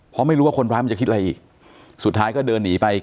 เพราะไม่รู้ว่าคนร้ายมันจะคิดอะไรอีกสุดท้ายก็เดินหนีไป